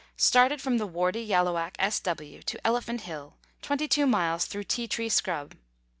Started from the Wardy Yalloak S.W. to Elephant Hill, 22 miles through tea tree scrub.